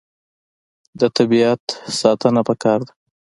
د طبیعت ساتنه پکار ده.